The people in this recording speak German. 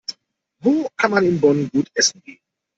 Wo kann man in Bonn gut essen gehen?